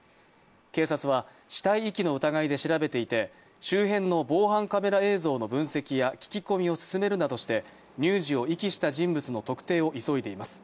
警察は死体遺棄の疑いで調べていて周辺の防犯カメラ映像の分析や聞き込みを進めるなどして乳児を遺棄した人物の特定を急いでいます。